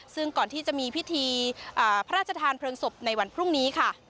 ซึ่งก่อนที่จะมีพิธีพระราชทานเพลิงศพในวันพรุ่งนี้ค่ะ